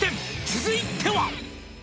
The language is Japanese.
「続いては」